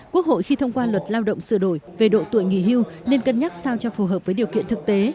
quốc hội khi thông qua luật lao động sửa đổi về độ tuổi nghỉ hưu nên cân nhắc sao cho phù hợp với điều kiện thực tế